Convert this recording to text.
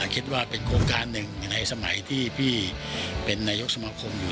คิดว่าเป็นโครงการหนึ่งในสมัยที่พี่เป็นนายกสมาคมอยู่